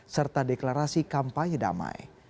serta deklarasi kampanye damai